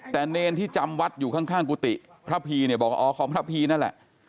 แต่เนรที่จำวัดอยู่ข้างกุฏิพระพีเนี่ยบอกว่าอ๋อของพระพีนั่นแหละ